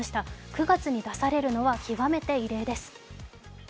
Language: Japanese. ９月に出されるのは極めて異例です。